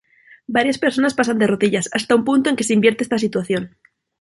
Varias personas pasan de rodillas, hasta un punto en que se invierte esta situación.